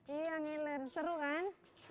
iya ngeler seru kan